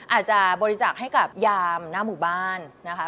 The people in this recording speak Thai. บริจาคให้กับยามหน้าหมู่บ้านนะคะ